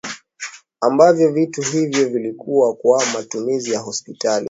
Ambavyo vitu hivyo vilikuwa kwa matumizi ya hospitali